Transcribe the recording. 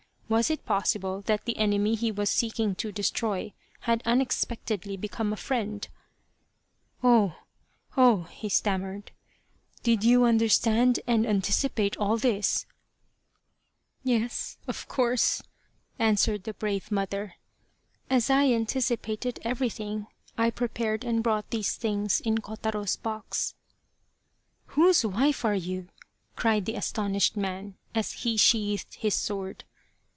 Was it possible that the enemy he was seeking to destroy had unexpectedly become a friend ?" Oh, oh !" he stammered, " Did you understand and anticipate all this ?" 211 Loyal, Even Unto Death " Yes, of course," answered the brave mother. " As I anticipated everything, I prepared and brought these things in Kotaro's box." " Whose wife are you ?" cried the astonished man, as he sheathed his sword.